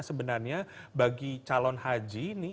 sebenarnya bagi calon haji ini